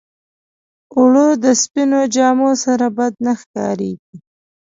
اوړه د سپينو جامو سره بد نه ښکارېږي